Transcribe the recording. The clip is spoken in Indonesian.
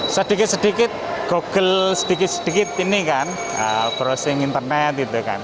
sedikit sedikit google sedikit sedikit ini kan browsing internet gitu kan